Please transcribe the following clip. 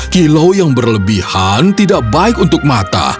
kilau yang berlebihan tidak baik untuk mata